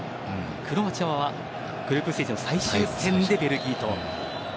クロアチアはグループステージの最終戦でベルギーと。